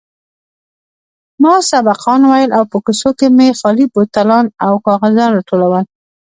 ما سبقان ويل او په کوڅو کښې مې خالي بوتلان او کاغذان راټولول.